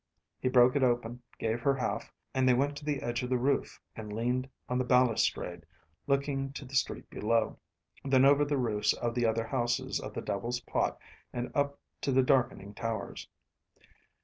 He broke it open, gave her half, and they went to the edge of the roof and leaned on the balustrade, looking to the street below, then over the roofs of the other houses of the Devil's Pot and up to the darkening towers.